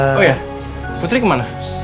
oh iya putri kemana